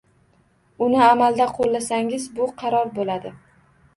Uni amalda qo’llasangiz, bu qaror bo‘ladi.